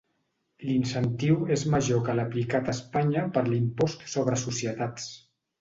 L'incentiu és major que l'aplicat a Espanya per l'Impost sobre Societats.